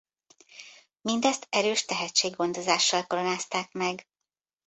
Mindezt erős tehetséggondozással koronázták meg.